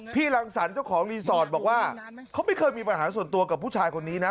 รังสรรค์เจ้าของรีสอร์ทบอกว่าเขาไม่เคยมีปัญหาส่วนตัวกับผู้ชายคนนี้นะ